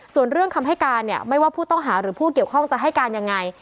ส่วนเรื่องคำให้การเนี่ยไม่ว่าผู้ต้องหาหรือผู้เกี่ยวข้องจะให้การยังไง